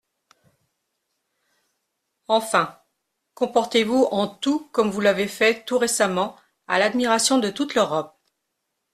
Enfin, comportez-vous en tout comme vous l'avez fait tout récemment à l'admiration de toute l'Europe.